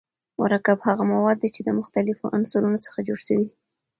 مرکب هغه مواد دي چي د مختليفو عنصرونو څخه جوړ سوی وي.